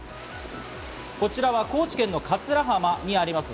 こちらは高知県の桂浜にあります